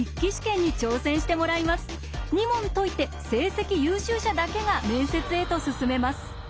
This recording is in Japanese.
２問解いて成績優秀者だけが面接へと進めます。